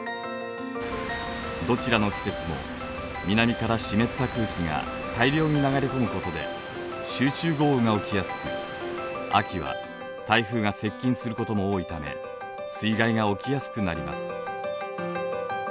どちらの季節も南から湿った空気が大量に流れ込むことで集中豪雨が起きやすく秋は台風が接近することも多いため水害が起きやすくなります。